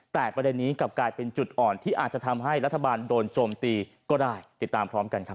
แต่ประเด็นนี้กลับกลายเป็นจุดอ่อนที่อาจจะทำให้รัฐบาลโดนโจมตีก็ได้ติดตามพร้อมกันครับ